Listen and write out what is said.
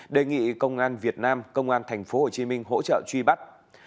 đề nghị công an việt nam công an tp hcm hỗ trợ truy bắt